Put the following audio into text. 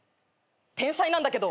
天才なんだけど。